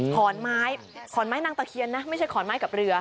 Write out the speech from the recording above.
ขอนไม้ขอนไม้นางตะเคียนนะไม่ใช่ขอนไม้กับเรือ